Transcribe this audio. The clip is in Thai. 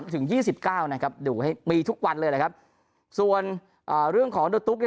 ๒๓ถึง๒๙นะครับดูให้มีทุกวันเลยนะครับส่วนเรื่องของตุ๊ก